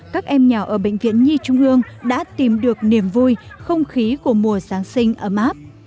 các em nhỏ ở bệnh viện nhi trung hương đã tìm được niềm vui không khí của mùa giáng sinh ấm áp